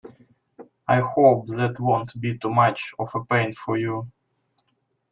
I hope that won't be too much of a pain for you?